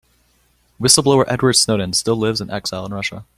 Whistle-blower Edward Snowden still lives in exile in Russia.